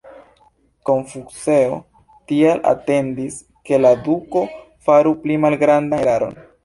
Konfuceo tial atendis ke la duko faru pli malgrandan eraron.